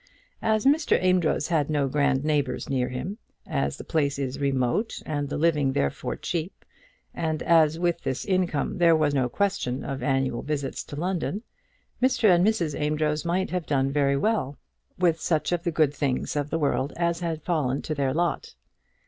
As Mr. Amedroz had no grand neighbours near him, as the place is remote and the living therefore cheap, and as with this income there was no question of annual visits to London, Mr. and Mrs. Amedroz might have done very well with such of the good things of the world as had fallen to their lot.